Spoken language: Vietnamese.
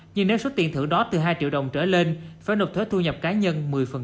nhưng nếu số tiền thưởng đó từ hai triệu đồng trở lên phải nộp thuế thu nhập cá nhân một mươi